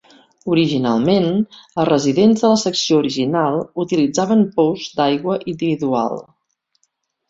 Originalment, els residents de la secció original utilitzaven pous d"aigua individual.